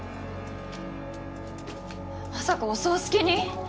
まさかお葬式に？